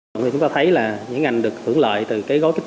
đặc biệt cổ phiếu ngân hàng được kỳ vọng sẽ là lực đại chính